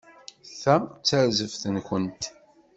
Ta d tarzeft-nkent.